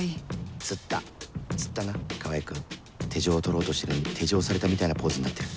つったつったな川合君手錠を取ろうとしてるのに手錠されたみたいなポーズになってる